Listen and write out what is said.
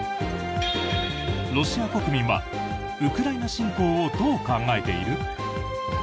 ロシア国民はウクライナ侵攻をどう考えている？